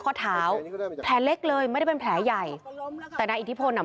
ข้อเท้าแผลเล็กเลยไม่ได้เป็นแผลใหญ่แต่นายอิทธิพลอ่ะ